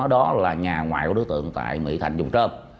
đó là nhà ngoại của đối tượng tại mỹ thành dùng trơm